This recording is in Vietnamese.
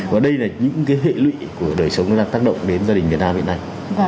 và đây là những hệ lụy của đời sống đang tác động đến gia đình việt nam hiện nay